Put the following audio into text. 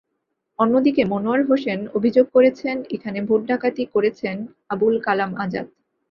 অন্যদিকে মনোয়ার হোসেন অভিযোগ করেছেন, এখানে ভোট ডাকাতি করেছেন আবুল কালাম আজাদ।